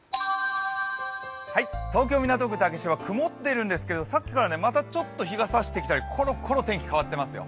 東京・港区竹芝、曇ってるんですけど、さっきからまたちょっと日がさしてきたりコロコロ天気変わってますよ。